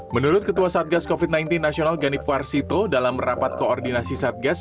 menurut ketua satgas covid sembilan belas nasional ganip warsito dalam rapat koordinasi satgas